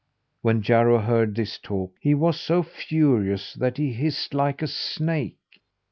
When Jarro heard this talk he was so furious that he hissed like a snake.